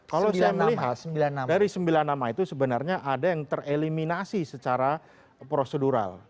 kalau saya melihat dari sembilan nama itu sebenarnya ada yang tereliminasi secara prosedural